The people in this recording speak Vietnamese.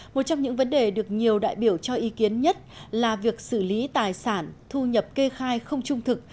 một trong những vấn đề được nhiều đại biểu cho ý kiến nhất là việc xử lý tài sản thu nhập kê khai không trung thực